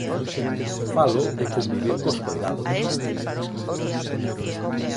Falo de convivir cos coidados.